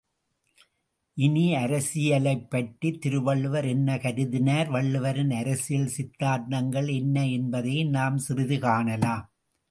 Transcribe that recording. இனி, அரசியலைப் பற்றி திருவள்ளுவர் என்ன கருதினார் வள்ளுவரின் அரசியல் சித்தாந்தங்கள் என்ன என்பதையும் நாம் சிறிது காணலாம்.